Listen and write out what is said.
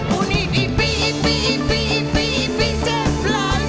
ปูนี่อิปปี่อิปปี่อิปปี่อิปปี่เจ็บปลาย